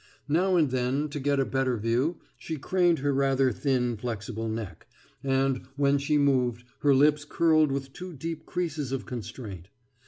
Now and then, to get a better view, she craned her rather thin, flexible neck, and, when she moved, her lips curled with two deep creases of constraint.